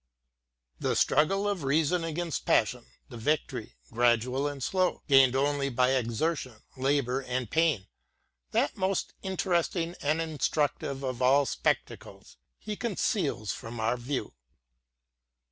The struggle of reason against passion — the victory, gradual and slow, gained only by exertion, labour and pain — that most interesting and instructive of all spectacles, he conceals from our view.